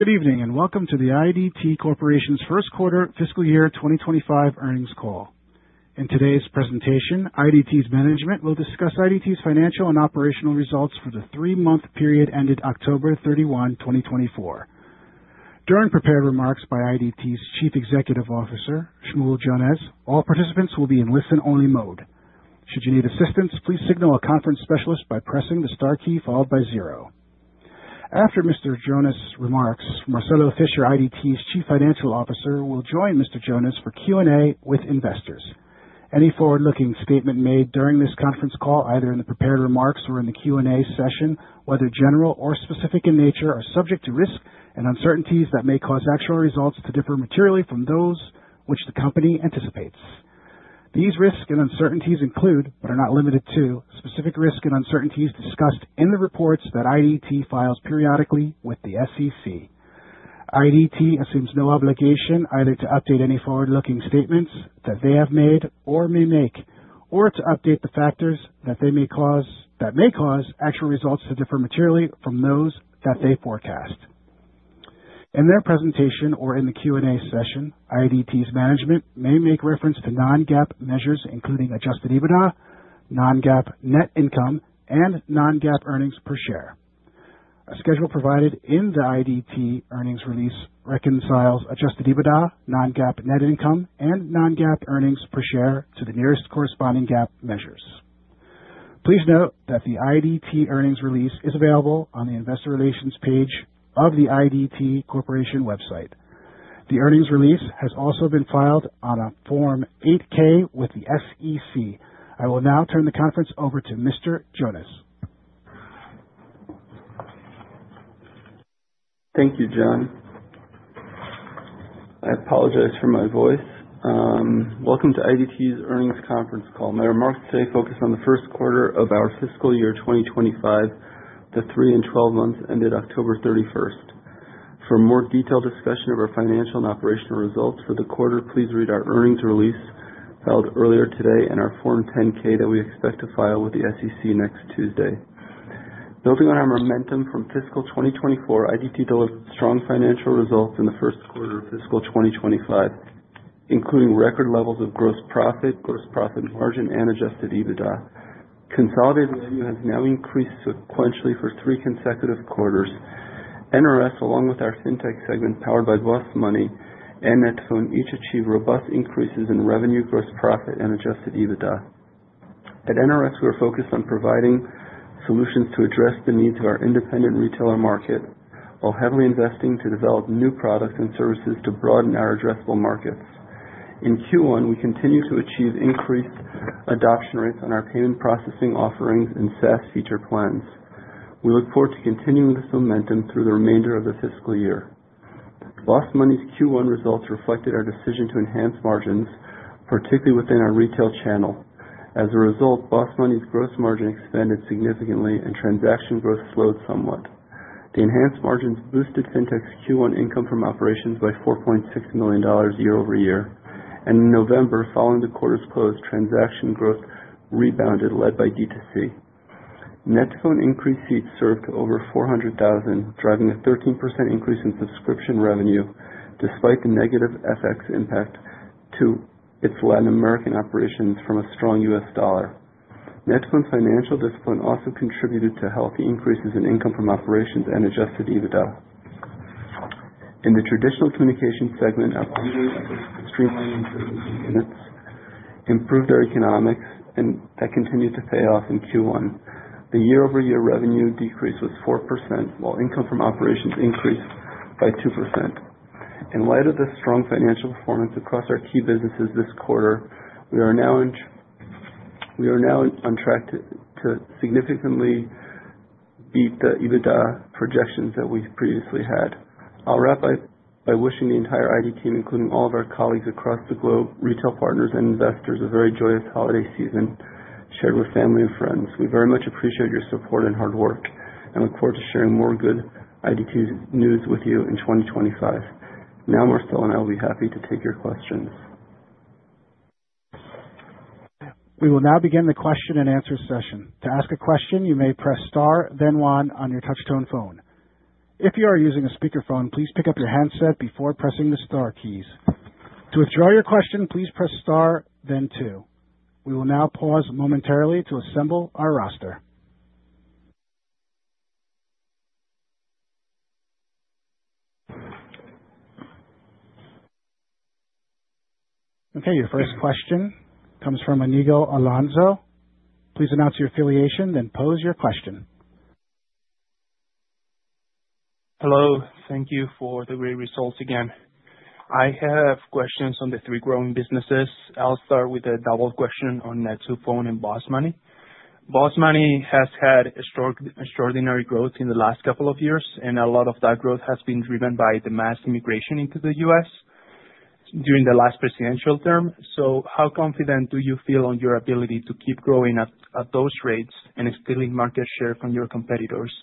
Good evening and welcome to the IDT Corporation's first quarter fiscal year 2025 earnings call. In today's presentation, IDT's management will discuss IDT's financial and operational results for the three-month period ended October 31, 2024. During prepared remarks by IDT's Chief Executive Officer, Shmuel Jonas, all participants will be in listen-only mode. Should you need assistance, please signal a conference specialist by pressing the star key followed by zero. After Mr. Jonas' remarks, Marcelo Fischer, IDT's Chief Financial Officer, will join Mr. Jonas for Q&A with investors. Any forward-looking statement made during this conference call, either in the prepared remarks or in the Q&A session, whether general or specific in nature, is subject to risks and uncertainties that may cause actual results to differ materially from those which the company anticipates. These risks and uncertainties include, but are not limited to, specific risks and uncertainties discussed in the reports that IDT files periodically with the SEC. IDT assumes no obligation either to update any forward-looking statements that they have made or may make, or to update the factors that may cause actual results to differ materially from those that they forecast. In their presentation or in the Q&A session, IDT's management may make reference to Non-GAAP measures, including Adjusted EBITDA, Non-GAAP net income, and Non-GAAP earnings per share. A schedule provided in the IDT earnings release reconciles Adjusted EBITDA, Non-GAAP net income, and Non-GAAP earnings per share to the nearest corresponding GAAP measures. Please note that the IDT earnings release is available on the investor relations page of the IDT Corporation website. The earnings release has also been filed on a Form 8-K with the SEC. I will now turn the conference over to Mr. Jonas. Thank you, John. I apologize for my voice. Welcome to IDT's earnings conference call. My remarks today focus on the first quarter of our fiscal year 2025, the three and twelve months ended October 31st. For more detailed discussion of our financial and operational results for the quarter, please read our earnings release filed earlier today and our Form 10-K that we expect to file with the SEC next Tuesday. Building on our momentum from fiscal 2024, IDT delivered strong financial results in the first quarter of fiscal 2025, including record levels of gross profit, gross profit margin, and Adjusted EBITDA. Consolidated revenue has now increased sequentially for three consecutive quarters. NRS, along with our fintech segment powered by BOSS Money and net2phone, each achieved robust increases in revenue, gross profit, and Adjusted EBITDA. At NRS, we are focused on providing solutions to address the needs of our independent retailer market while heavily investing to develop new products and services to broaden our addressable markets. In Q1, we continue to achieve increased adoption rates on our payment processing offerings and SaaS feature plans. We look forward to continuing this momentum through the remainder of the fiscal year. BOSS Money's Q1 results reflected our decision to enhance margins, particularly within our retail channel. As a result, BOSS Money's gross margin expanded significantly, and transaction growth slowed somewhat. The enhanced margins boosted fintech's Q1 income from operations by $4.6 million year-over-year, and in November, following the quarter's close, transaction growth rebounded, led by D2C. net2phone increased seats served to over 400,000, driving a 13% increase in subscription revenue despite the negative FX impact to its Latin American operations from a strong U.S. dollar. net2phone's financial discipline also contributed to healthy increases in income from operations and adjusted EBITDA. In the traditional communications segment, our community efforts of streamlining services and units improved our economics, and that continued to pay off in Q1. The year-over-year revenue decrease was 4%, while income from operations increased by 2%. In light of the strong financial performance across our key businesses this quarter, we are now on track to significantly beat the EBITDA projections that we previously had. I'll wrap by wishing the entire IDT team, including all of our colleagues across the globe, retail partners, and investors, a very joyous holiday season shared with family and friends. We very much appreciate your support and hard work and look forward to sharing more good IDT news with you in 2025. Now, Marcelo and I will be happy to take your questions. We will now begin the question-and-answer session. To ask a question, you may press star, then one on your touch-tone phone. If you are using a speakerphone, please pick up your handset before pressing the star keys. To withdraw your question, please press star, then two. We will now pause momentarily to assemble our roster. Okay, your first question comes from Iñigo Alonso. Please announce your affiliation, then pose your question. Hello, thank you for the great results again. I have questions on the three growing businesses. I'll start with a double question on net2phone and BOSS Money. BOSS Money has had extraordinary growth in the last couple of years, and a lot of that growth has been driven by the mass immigration into the U.S. during the last presidential term. So how confident do you feel on your ability to keep growing at those rates and stealing market share from your competitors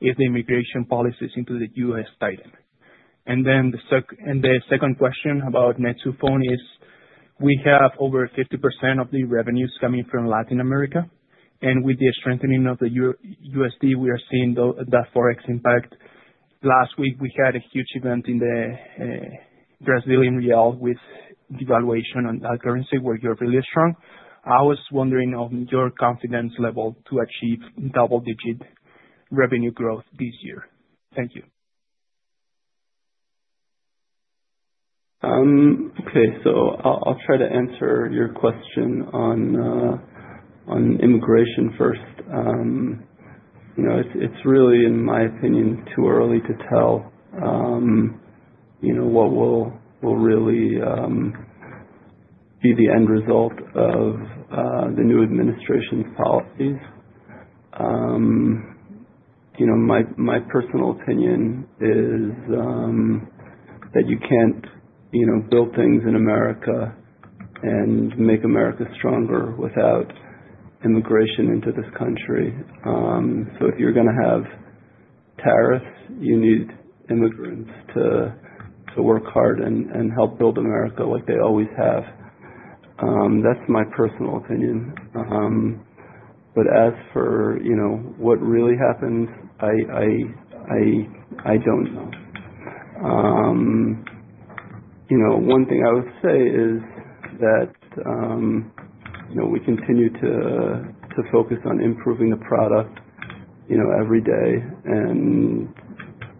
if the immigration policies into the U.S. tighten? And then the second question about net2phone is we have over 50% of the revenues coming from Latin America, and with the strengthening of the USD, we are seeing that forex impact. Last week, we had a huge event in the Brazilian real with devaluation on that currency where you're really strong. I was wondering on your confidence level to achieve double-digit revenue growth this year? Thank you. Okay, so I'll try to answer your question on immigration first. It's really, in my opinion, too early to tell what will really be the end result of the new administration's policies. My personal opinion is that you can't build things in America and make America stronger without immigration into this country. So if you're going to have tariffs, you need immigrants to work hard and help build America like they always have. That's my personal opinion. But as for what really happens, I don't know. One thing I would say is that we continue to focus on improving the product every day, and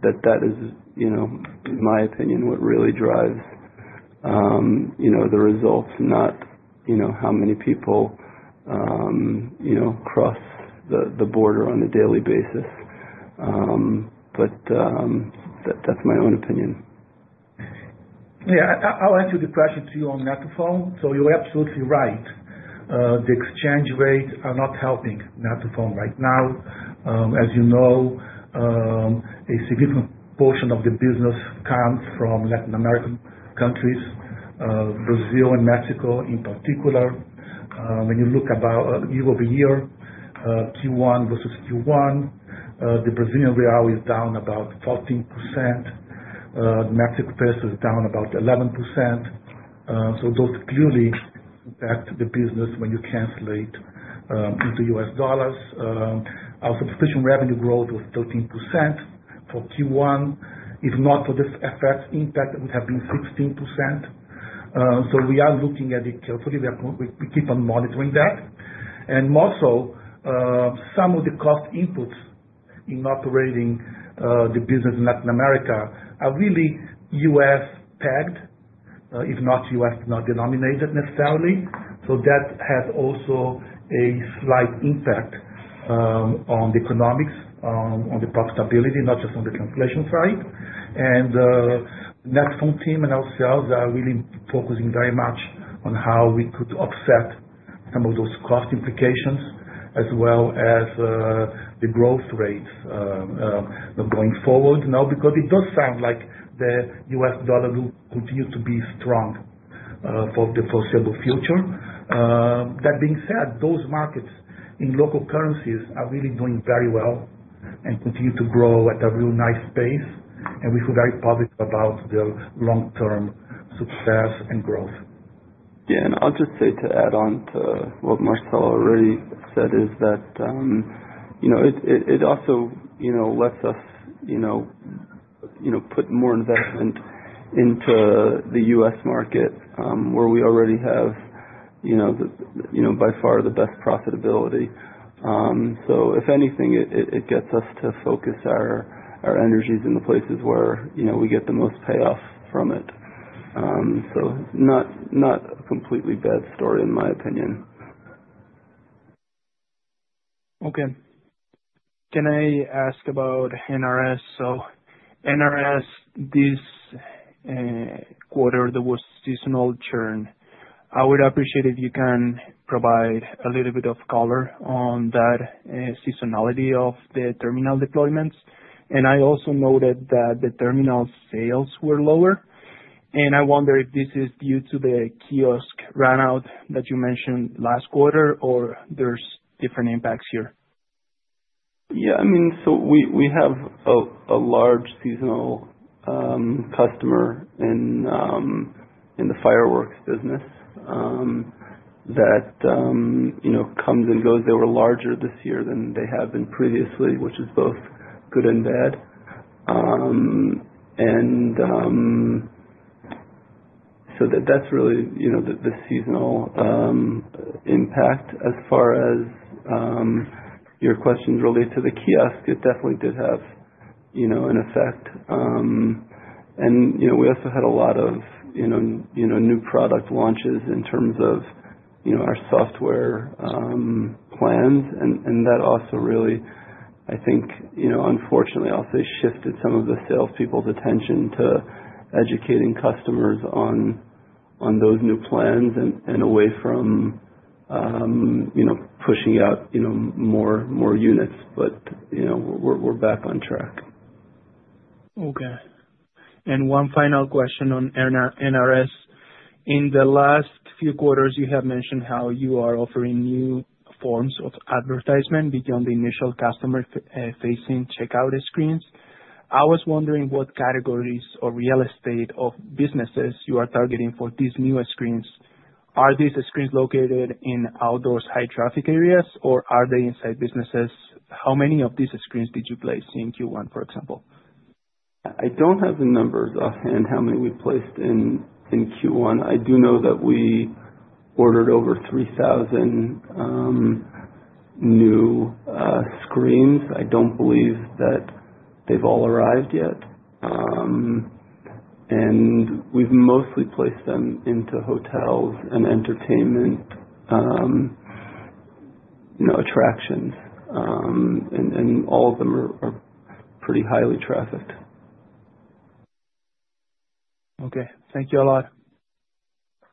that that is, in my opinion, what really drives the results, not how many people cross the border on a daily basis. But that's my own opinion. Yeah, I'll answer the question to you on net2phone. So you're absolutely right. The exchange rates are not helping net2phone right now. As you know, a significant portion of the business comes from Latin American countries, Brazil and Mexico in particular. When you look year-over-year, Q1 versus Q1, the Brazilian real is down about 14%. Mexican peso is down about 11%. So those clearly impact the business when you translate into U.S. dollars. Our subscription revenue growth was 13% for Q1. If not for this FX impact, it would have been 16%. So we are looking at it carefully. We keep on monitoring that. And also, some of the cost inputs in operating the business in Latin America are really U.S. tagged, if not U.S. denominated necessarily. So that has also a slight impact on the economics, on the profitability, not just on the translation side. The net2phone team and ourselves are really focusing very much on how we could offset some of those cost implications as well as the growth rates going forward now, because it does sound like the U.S. dollar will continue to be strong for the foreseeable future. That being said, those markets in local currencies are really doing very well and continue to grow at a real nice pace, and we feel very positive about their long-term success and growth. Yeah, and I'll just say to add on to what Marcel already said is that it also lets us put more investment into the U.S. market where we already have by far the best profitability. So if anything, it gets us to focus our energies in the places where we get the most payoff from it. So not a completely bad story, in my opinion. Okay. Can I ask about NRS? So, NRS, this quarter, there was seasonal churn. I would appreciate if you can provide a little bit of color on that seasonality of the terminal deployments. And I also noted that the terminal sales were lower, and I wonder if this is due to the kiosk runout that you mentioned last quarter, or there's different impacts here. Yeah, I mean, so we have a large seasonal customer in the fireworks business that comes and goes. They were larger this year than they have been previously, which is both good and bad, and so that's really the seasonal impact. As far as your questions relate to the kiosk, it definitely did have an effect, and we also had a lot of new product launches in terms of our software plans, and that also really, I think, unfortunately, I'll say, shifted some of the salespeople's attention to educating customers on those new plans and away from pushing out more units, but we're back on track. Okay. And one final question on NRS. In the last few quarters, you have mentioned how you are offering new forms of advertisement beyond the initial customer-facing checkout screens. I was wondering what categories or real estate of businesses you are targeting for these new screens. Are these screens located in outdoors, high-traffic areas, or are they inside businesses? How many of these screens did you place in Q1, for example? I don't have the numbers offhand, how many we placed in Q1? I do know that we ordered over 3,000 new screens. I don't believe that they've all arrived yet. And we've mostly placed them into hotels and entertainment attractions, and all of them are pretty highly trafficked. Okay. Thank you a lot.